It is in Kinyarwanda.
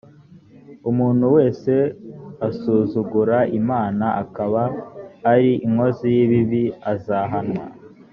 umuntu wese asuzugura imana akaba ari inkozi y ibibi azahanwa